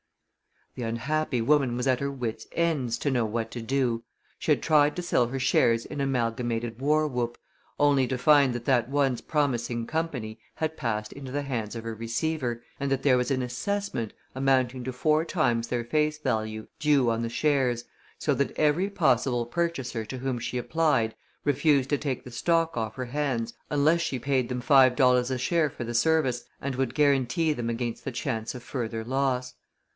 The unhappy woman was at her wit's ends to know what to do. She had tried to sell her shares in "Amalgamated War whoop," only to find that that once promising company had passed into the hands of a receiver, and that there was an assessment, amounting to four times their face value, due on the shares, so that every possible purchaser to whom she applied refused to take the stock off her hands unless she paid them five dollars a share for the service and would guarantee them against the chance of further loss.